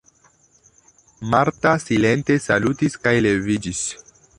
Marta silente salutis kaj leviĝis.